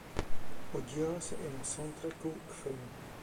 Podílel se i na soundtracku k filmu.